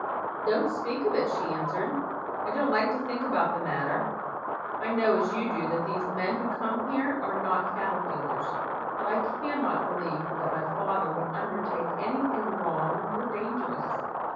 "Don't speak of it," she answered; "I don't like to think about the matter. I know, as you do, that these men who come here are not cattle dealers, but I cannot believe that my father would undertake any thing wrong or dangerous.